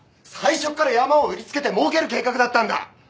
最初から山を売りつけてもうける計画だったんだ！